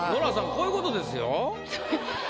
こういうことですよ。